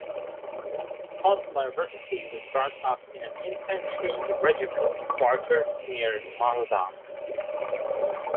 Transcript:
Kotlyarevsky was brought up in an infantry regiment quartered near Mozdok.